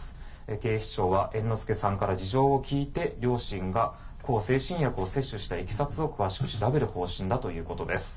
警視庁は猿之助さんから事情を聴いて両親が向精神薬を摂取したいきさつを詳しく調べる方針だということです。